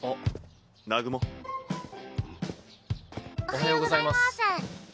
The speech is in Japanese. おはようございます。